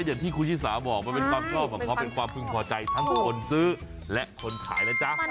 อย่างที่ครูชิสาบอกว่าเป็นความชอบมันเป็นความพึงพอใจทั้งคนซื้อและคนขาย